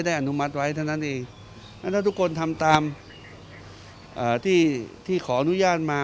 ได้อนุมัติไว้เท่านั้นเองถ้าทุกคนทำตามที่ขออนุญาตมา